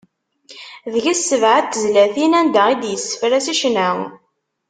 Deg-s sebɛa n tezlatin anda i d-yessefra s ccna.